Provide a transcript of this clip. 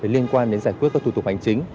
liên quan đến giải quyết các thủ tục hành chính